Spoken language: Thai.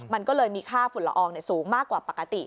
มันก็เลยมีค่าฝุ่นละอองสูงมากกว่าปกติ